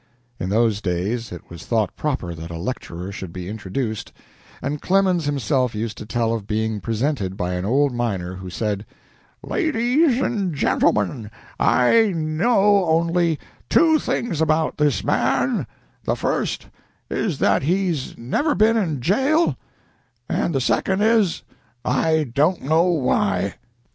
In those days it was thought proper that a lecturer should be introduced, and Clemens himself used to tell of being presented by an old miner, who said: "Ladies and gentlemen, I know only two things about this man: the first is that he's never been in jail, and the second is, I don't know why."